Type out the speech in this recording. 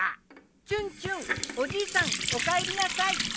チュンチュンおじいさんおかえりなさい。